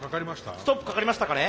ストップかかりましたかね。